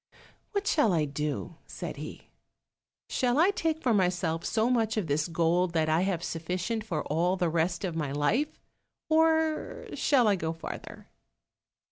"What shall I do?" said he; "shall I take for myself so much of this gold, that I have sufficient for all the rest of my life, or shall I go farther?"